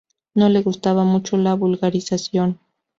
No le gustaba mucho la vulgarización.